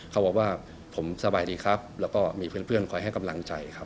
เขาบอกว่าผมสบายดีครับแล้วก็มีเพื่อนคอยให้กำลังใจครับ